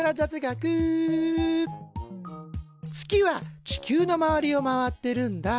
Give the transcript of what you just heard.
月は地球の周りを回ってるんだ。